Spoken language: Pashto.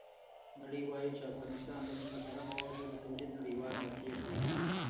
نړۍ وایي چې افغانستان د مخدره موادو د تولید نړیوال مارکېټ دی.